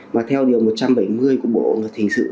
mà theo điều một trăm bảy mươi của bộ luật hình sự